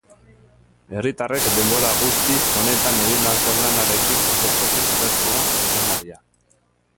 Herritarrek denbora guzti honetan egindako lanarekin oso pozik agertu da zuzendaria.